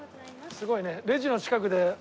すごいね。